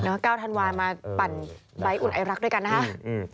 เก้าธันวาลมาปั่นใบ้อุ่นไอรักด้วยกันนะฮะอืม